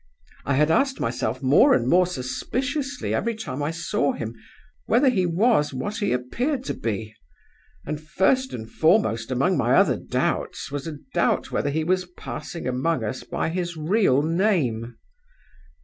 I had asked myself more and more suspiciously every time I saw him whether he was what he appeared to be; and first and foremost among my other doubts was a doubt whether he was passing among us by his real name.